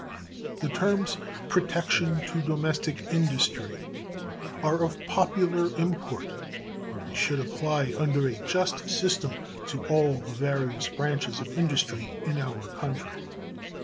The terms "protection to domestic industry" are of popular import, but they should apply under a just system to all the various branches of industry in our country.